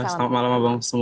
selamat malam abang semua